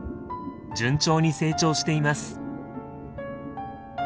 順調に成長しています。